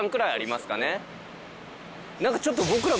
何かちょっと。